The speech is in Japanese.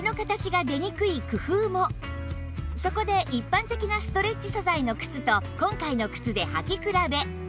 さらにそこで一般的なストレッチ素材の靴と今回の靴で履き比べ